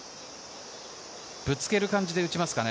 ぶつける感じで打ちますかね？